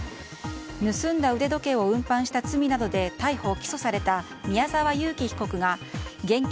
盗んだ腕時計を運搬した罪などで逮捕・起訴された宮沢優樹被告が現金